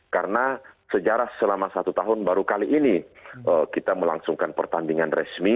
karena sejarah selama satu tahun baru kali ini kita melangsungkan pertandingan resmi